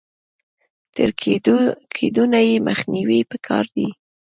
تر کېدونه يې مخنيوی په کار دی.